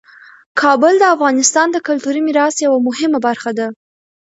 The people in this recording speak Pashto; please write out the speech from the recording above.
کابل د افغانستان د کلتوري میراث یوه مهمه برخه ده.